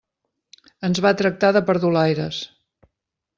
Ens va tractar de perdulaires.